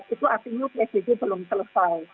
itu artinya psbb belum selesai